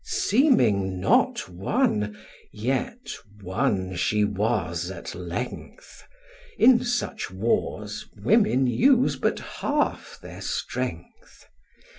Seeming not won, yet won she was at length: In such wars women use but half their strength.